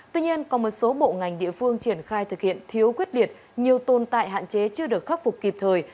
tuy nhiên có một số bộ ngành địa phương triển khai thực hiện thiếu quyết liệt nhiều tồn tại hạn chế chưa được khắc phục kịp thời